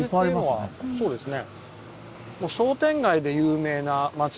ああそうですね。